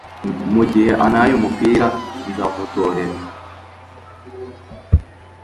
Mugihe antaye umupira nzawumutorera